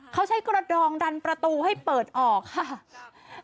เขาใช้กระดองดันประตูให้เปิดออกค่ะ